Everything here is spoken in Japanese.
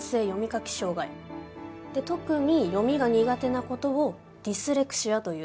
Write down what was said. で特に読みが苦手な事を「ディスレクシア」という。